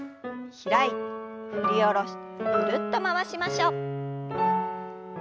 開いて振り下ろしてぐるっと回しましょう。